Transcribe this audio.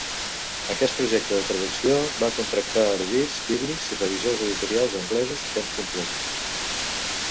Aquest projecte de traducció va contractar erudits bíblics i revisors editorials anglesos a temps complet.